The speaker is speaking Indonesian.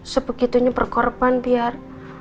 sebegitunya berkorban biar